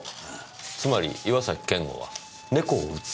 つまり岩崎健吾は猫を撃った？